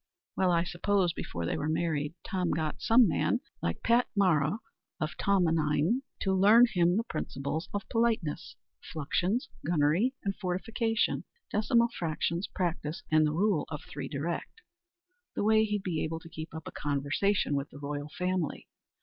Well, I suppose, before they were married, Tom got some man, like Pat Mara of Tomenine, to learn him the "principles of politeness," fluxions, gunnery and fortification, decimal fractions, practice, and the rule of three direct, the way he'd be able to keep up a conversation with the royal family.